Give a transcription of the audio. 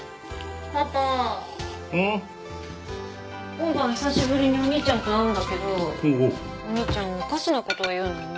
今晩久しぶりにお兄ちゃんと会うんだけどお兄ちゃんおかしな事を言うのよね。